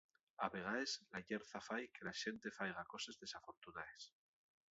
A vegaes, la llerza fai que la xente faiga coses desafortunaes.